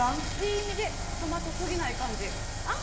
いい意味でトマト過ぎない感じ。